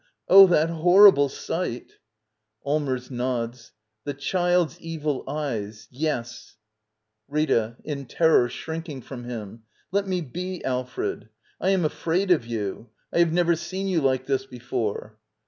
] Oh, that horrible sight ! Allmers. [Nods.] The child's evil eyes —— yes ! Rita. [In terror, shrinking from him.] Let me be, Alfred ! I am afraid of you. I have never seen you like this before.